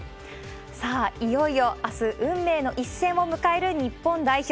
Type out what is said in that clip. さあ、いよいよあす、運命の一戦を迎える日本代表。